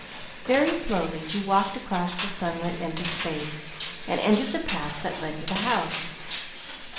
Very slowly he walked across the sunlit, empty space, and entered the path that led to the house.